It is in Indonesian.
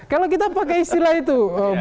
kalau kita pakai istilah itu